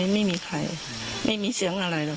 ไม่มีใครไม่มีเสียงอะไรหรอก